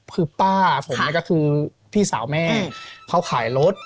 คือป้าผมก็คือพี่สาวแม่เขาขายรถ